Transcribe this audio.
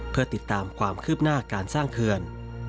เพื่อติดตามความคืบหน้าการสร้างเขื่อน